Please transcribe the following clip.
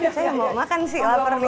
iya misalnya mau makan sih lapar nih